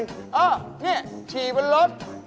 อ้ำนี่ฉี่บนรถ